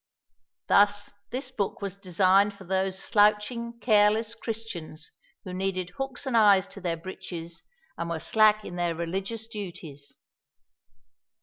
Thus this book was designed for those slouching, careless Christians who needed hooks and eyes to their breeches, and were slack in their religious duties.